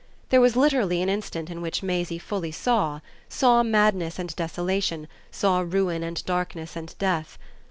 There was literally an instant in which Maisie fully saw saw madness and desolation, saw ruin and darkness and death.